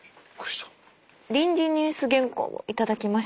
臨時ニュース原稿を頂きました。